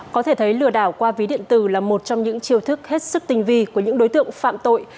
có thể thấy lừa đảo qua ví điện tử là một trong những chiêu thức hết sức tinh vi của những đối tượng phạm tội